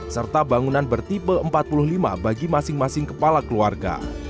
serta bangunan bertipe empat puluh lima bagi masing masing kepala keluarga